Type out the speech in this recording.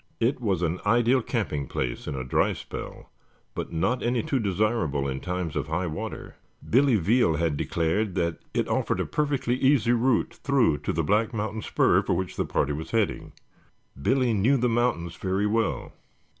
It was an ideal camping place in a dry spell, but not any too desirable in times of high water. Billy Veal had declared that it offered a perfectly easy route through to the Black Mountain spur for which the party was heading. Billy knew the mountains very well.